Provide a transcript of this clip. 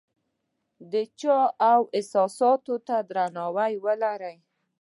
د چا و احساساتو ته درناوی ولره !